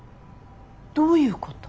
どういうこと？